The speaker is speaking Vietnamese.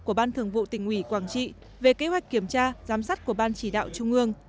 của ban thường vụ tỉnh ủy quảng trị về kế hoạch kiểm tra giám sát của ban chỉ đạo trung ương